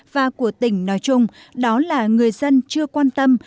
và của tỉnh nói chung đó là người dân chưa quan tâm